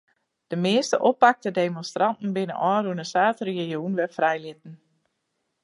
De measte oppakte demonstranten binne ôfrûne saterdeitejûn wer frijlitten.